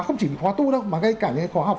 không chỉ khóa tu đâu mà gây cả những cái khóa học